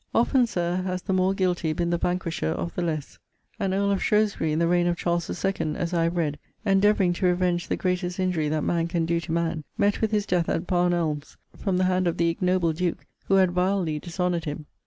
Often, Sir, has the more guilty been the vanquisher of the less. An Earl of Shrewsbury, in the reign of Charles II. as I have read, endeavouring to revenge the greatest injury that man can do to man, met with his death at Barn Elms, from the hand of the ignoble Duke who had vilely dishonoured him.